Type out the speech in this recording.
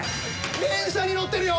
電車に乗ってるよ。